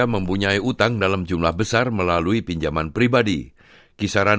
kisaran pinjaman pribadi adalah